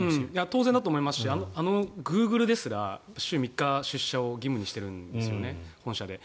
当然だと思いますしあのグーグルですら週３日出社を義務にしているんですよね、本社で。